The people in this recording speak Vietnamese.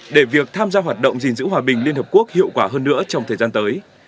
để việc tham gia hoạt động gìn giữ hòa bình liên hợp quốc hiệu quả hơn nữa trong thời gian tới